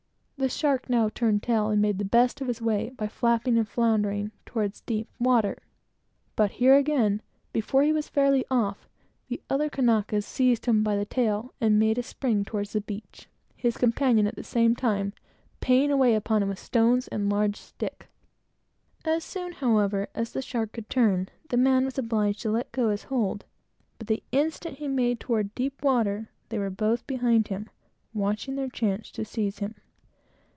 The shark now turned tail and made the best of his way, by flapping and floundering, toward deep water; but here again, before he was fairly off, the other Kanaka seized him by the tail, and made a spring towards the beach, his companion at the same time paying away upon him with stones and a large stick. As soon, however, as the shark could turn, he was obliged to let go his hold; but the instant he made toward deep water, they were both behind him, watching their chance to seize him.